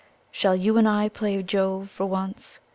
Shall you and I play Jove for once